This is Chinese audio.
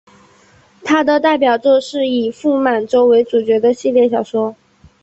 他的代表作是以傅满洲为主角的系列小说。